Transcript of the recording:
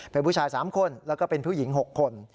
เป็นผู้ชาย๓คนแล้วก็เป็นผู้หญิง๖คน